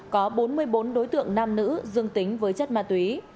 có bốn mươi bốn đối tượng nam nữ dương tính với chất ma túy